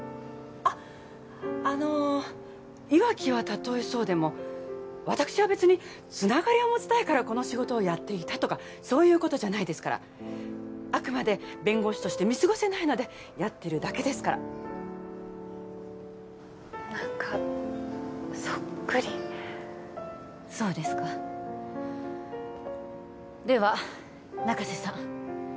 あっあの岩城はたとえそうでも私は別につながりを持ちたいからこの仕事をやっていたとかそういうことじゃないですからあくまで弁護士として見過ごせないのでやってるだけですから何かそっくりそうですかでは中瀬さん